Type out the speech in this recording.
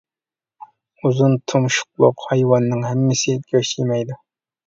ئۇزۇن تۇمشۇقلۇق ھايۋاننىڭ ھەممىسى گۆش يېمەيدۇ.